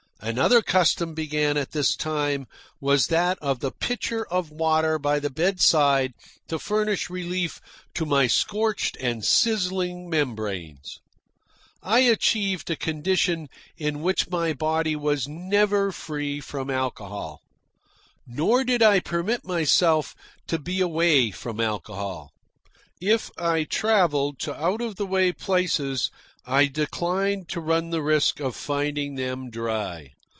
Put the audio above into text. Another custom begun at this time was that of the pitcher of water by the bedside to furnish relief to my scorched and sizzling membranes. I achieved a condition in which my body was never free from alcohol. Nor did I permit myself to be away from alcohol. If I travelled to out of the way places, I declined to run the risk of finding them dry.